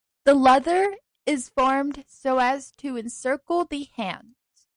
The leather is formed so as to encircle the hand.